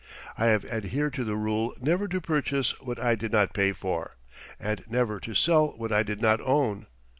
I have adhered to the rule never to purchase what I did not pay for, and never to sell what I did not own.